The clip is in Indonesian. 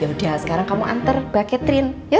yaudah sekarang kamu antar mbak catherine yuk